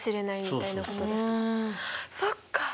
そっか。